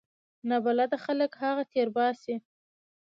نابلده خلک هغه تیر باسي.